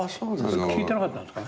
聞いてなかったんですか？